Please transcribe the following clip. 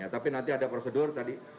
tapi nanti ada prosedur tadi